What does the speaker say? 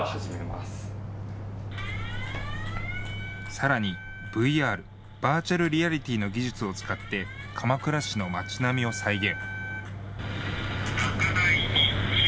さらにＶＲ・バーチャルリアリティーの技術を使って鎌倉市の町並みを再現。